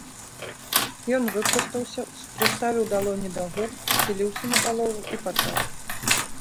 Ён выпрастаўся, прыставіў далоні да губ, схіліўся напалову і пачаў.